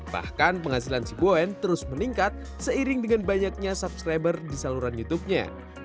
bahkan penghasilan si boen terus meningkat seiring dengan banyaknya subscriber di saluran youtubenya